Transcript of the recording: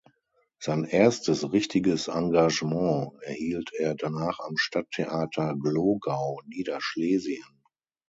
Sein erstes richtiges Engagement erhielt er danach am Stadttheater Glogau, Niederschlesien.